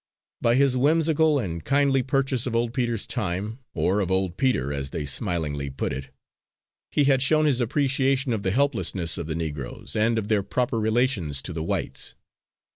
By his whimsical and kindly purchase of old Peter's time or of old Peter, as they smilingly put it, he had shown his appreciation of the helplessness of the Negroes, and of their proper relations to the whites.